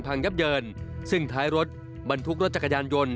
พังยับเยินซึ่งท้ายรถบรรทุกรถจักรยานยนต์